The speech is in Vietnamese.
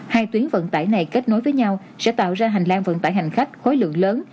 hai tuyến vận tải này kết nối với nhau sẽ tạo ra hành lang vận tải hành khách khối lượng lớn